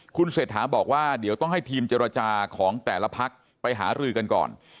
คุณเศรษฐาบอกว่าเดี๋ยวต้องให้ทีมเจรจาของแต่ละพักไปหารือกันก่อน